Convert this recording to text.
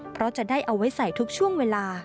เพราะจะได้เอาไว้ใส่ทุกช่วงเวลา